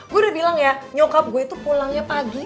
gua udah bilang ya nyokap gua itu pulangnya pagi